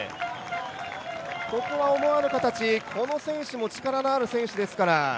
ここは思わぬ形、この選手も力のある選手ですから。